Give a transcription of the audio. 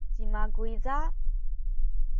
cima kuyza?